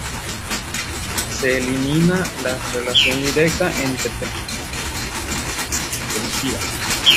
Se elimina las relación directa entre Granada y Algeciras